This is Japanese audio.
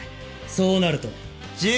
そうなるとじゅ。